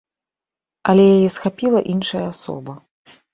Але яе схапіла іншая асоба.